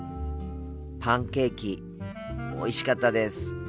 パンケーキおいしかったです。